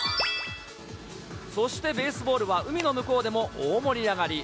そして、ベースボールは海の向こうでも大盛り上がり。